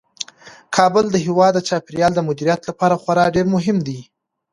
کابل د هیواد د چاپیریال د مدیریت لپاره خورا ډیر مهم دی.